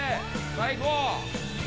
最高！